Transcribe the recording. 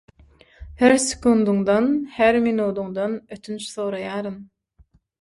Her sekundyňdan, her minudyňdan ötünç soraýaryn.